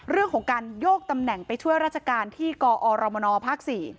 เรื่องของการโยกตำแหน่งไปช่วยราชการที่กอรมนภ๔